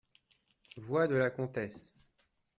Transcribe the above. Voix de la Comtesse.